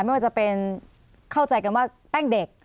ไม่ว่าจะเป็นเข้าใจกันว่าแป้งเด็ก